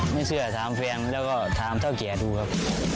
ไม่เชื่อถามเพียงก็ถามเท่าเอกียดดูครับ